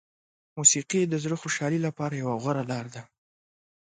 موسیقي د زړه خوشحالي لپاره یوه غوره لاره ده.